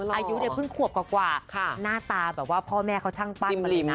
อายุเนี่ยเพิ่งขวบกว่าหน้าตาแบบว่าพ่อแม่เขาช่างปั้มมาเลยนะ